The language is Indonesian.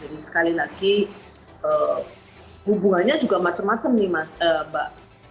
jadi sekali lagi hubungannya juga macam macam nih mbak